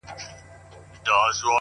فکر مي وران دی حافظه مي ورانه _